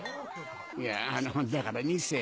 いやあのだから２世。